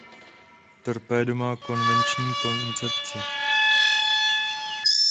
Torpédo má konvenční koncepci.